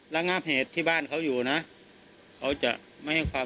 เดี่ยว